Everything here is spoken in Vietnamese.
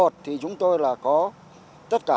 thì chúng tôi là có tất cả